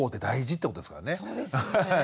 そうですよね。